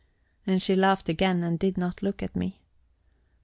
And she laughed again, and did not look at me.